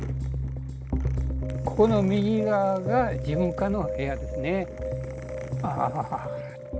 ここの右側が事務課の部屋ですね。